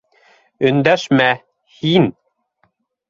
- Өндәшмә! һин...